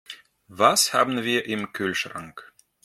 Was haben wir im Kühlschrank?